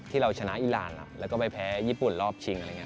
ที่เราชนะอิรานและแพ้ญี่ปุ่นรอบชิง